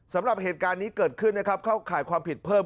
สำหรับเหตุการณ์นี้เกิดขึ้นนะครับเข้าข่ายความผิดเพิ่ม